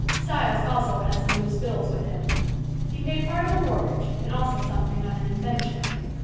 Styles also had some loose bills with him. He paid part of a mortgage and also something on an invention.